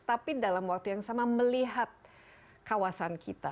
tapi dalam waktu yang sama melihat kawasan kita